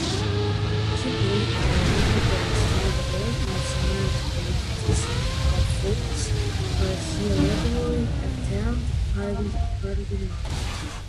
He played a relatively small role in national politics, although he regularly attended Parliament.